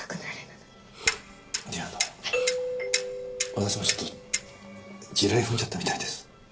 私もちょっと地雷踏んじゃったみたいです。